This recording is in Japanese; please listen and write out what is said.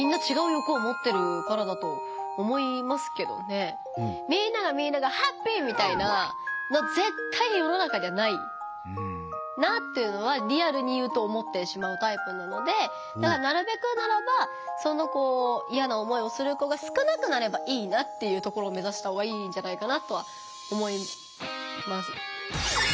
それはやっぱりみんながみんなハッピー！みたいなのは絶対に世の中にはないなっていうのはリアルに言うと思ってしまうタイプなのでなるべくならば嫌な思いをする子が少なくなればいいなっていうところを目ざしたほうがいいんじゃないかなとは思います。